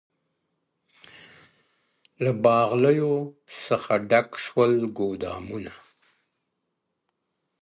• له باغلیو څخه ډک سول گودامونه ,